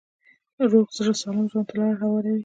روغ زړه سالم ژوند ته لاره هواروي.